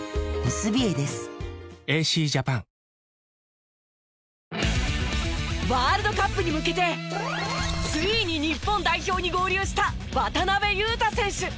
わかるぞワールドカップに向けてついに日本代表に合流した渡邊雄太選手。